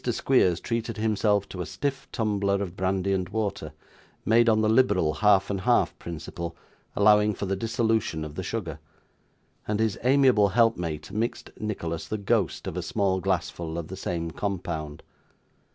Squeers treated himself to a stiff tumbler of brandy and water, made on the liberal half and half principle, allowing for the dissolution of the sugar; and his amiable helpmate mixed Nicholas the ghost of a small glassful of the same compound.